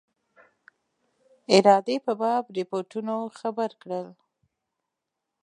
ارادې په باب رپوټونو خبر کړل.